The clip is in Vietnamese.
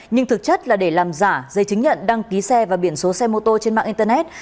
nhưng thực chất là để làm giả giấy chứng nhận đăng ký xe và biển số xe mô tô trên mạng internet